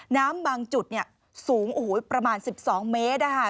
น้ำบางจุดเนี่ยสูงประมาณ๑๒เมตรนะคะ